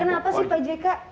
kenapa sih pak jk